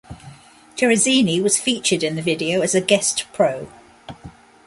Cerezini was featured in the video as a guest pro.